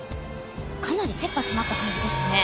かなり切羽詰まった感じですね。